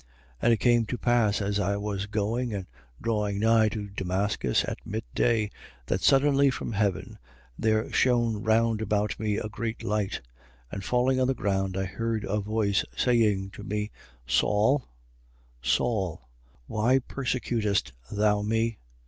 22:6. And it came to pass, as I was going and drawing nigh to Damascus, at mid day, that suddenly from heaven there shone round about me a great light: 22:7. And falling on the ground, I heard a voice saying to me: Saul, Saul, why persecutest thou me?